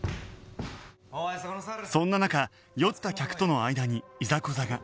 そんな中酔った客との間にいざこざが